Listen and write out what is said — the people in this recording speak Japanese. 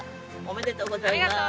おめでとうございます。